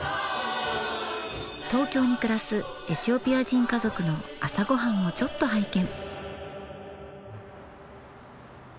東京に暮らすエチオピア人家族の朝ごはんをちょっと拝見。